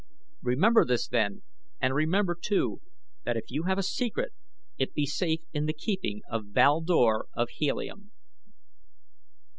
Remember this then and remember, too, that if you have a secret it be safe in the keeping of Val Dor of Helium."